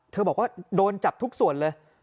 บอกว่าโดนจับทุกส่วนเลย